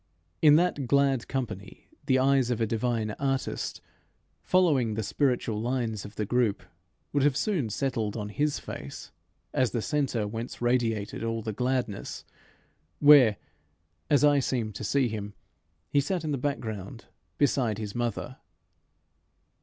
In that glad company the eyes of a divine artist, following the spiritual lines of the group, would have soon settled on his face as the centre whence radiated all the gladness, where, as I seem to see him, he sat in the background beside his mother.